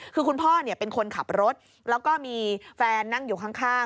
คือคุณพ่อเป็นคนขับรถแล้วก็มีแฟนนั่งอยู่ข้าง